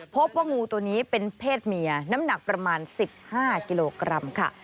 พบว่างูตัวนี้เป็นเพศเมียน้ำหนักประมาณ๑๕กิโลกรัมค่ะ